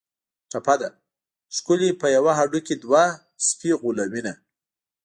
ټپه ده: ښکلي په یوه هډوکي دوه سپي غولوینه